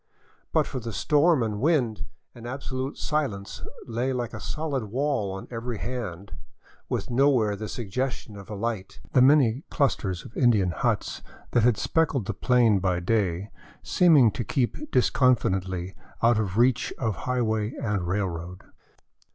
But for the storm and wind, an absolute silence lay like a solid wall on every hand, with nowhere the suggestion of a light, the many clusters of Indian huts that had speckled the plain by day seeming to keep disconfidently out of reach of highway and railroad.